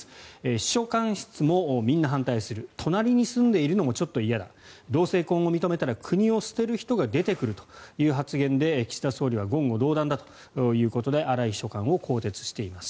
秘書官室もみんな反対する隣に住んでいるのもちょっと嫌だ同性婚を認めたら国を捨てる人が出てくるという発言で岸田総理は言語道断だということで荒井秘書官を更迭しています。